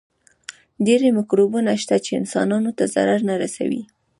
ډېر مکروبونه شته چې انسانانو ته ضرر نه رسوي.